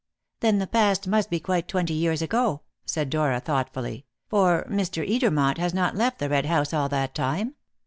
"Then the past must be quite twenty years ago," said Dora thoughtfully, "for Mr. Edermont has not left the Red House all that time.